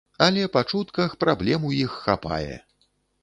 Але па чутках праблем у іх хапае!